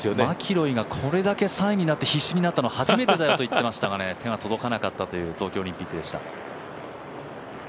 マキロイがこれだけ必死になって３位を狙ったの初めてだよと言ってましたがね手が届かなかったという東京オリンピックでした。